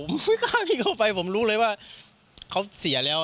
ผมไม่กล้าวิ่งเข้าไปผมรู้เลยว่าเขาเสียแล้ว